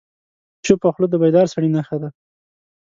چپه خوله، د بیدار سړي نښه ده.